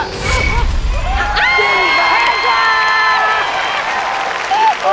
จริงป่ะ